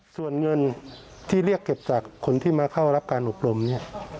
ส่วนเงินที่เรียกเก็บจากคนที่มาเข้ารับการอบรมเนี่ย